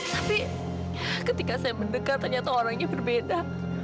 tapi ketika saya mendekat ternyata orangnya berbeda